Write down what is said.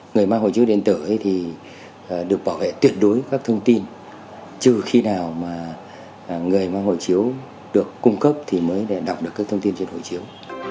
người mang hộ chiếu điện tử thì được bảo vệ tuyệt đối các thông tin chứ khi nào mà người mang hộ chiếu được cung cấp thì mới đọc được các thông tin trên hộ chiếu